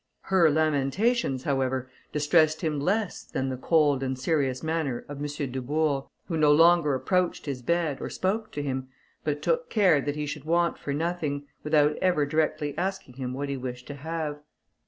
Her lamentations, however, distressed him less than the cold and serious manner of M. Dubourg, who no longer approached his bed, or spoke to him, but took care that he should want for nothing, without ever directly asking him what he wished to have.